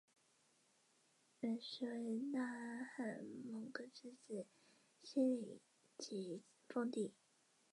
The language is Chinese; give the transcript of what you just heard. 黄毛雪山杜鹃为杜鹃花科杜鹃属下的一个变种。